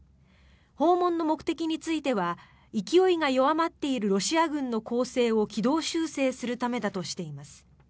訪問の目的については勢いが弱まっているロシア軍の攻勢を軌道修正するためだとしています。